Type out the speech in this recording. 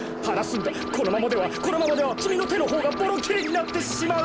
このままではこのままではきみのてのほうがボロきれになってしまう！